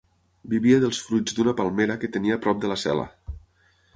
Vivia dels fruits d'una palmera que tenia prop de la cel·la.